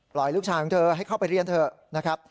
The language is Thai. ลูกชายของเธอให้เข้าไปเรียนเถอะนะครับ